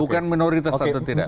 bukan minoritas atau tidak